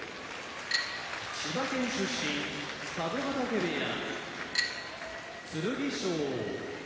千葉県出身佐渡ヶ嶽部屋剣翔東京都出身